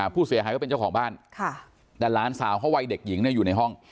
ผู้เสียหายก็เป็นเจ้าของบ้านแต่หลานสาวเขาวัยเด็กหญิงเนี่ยอยู่ในห้อง